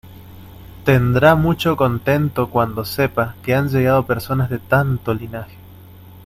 tendrá mucho contento cuando sepa que han llegado personas de tanto linaje: